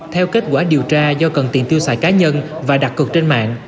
theo kết quả điều tra do cần tiền tiêu xài cá nhân và đặc cực trên mạng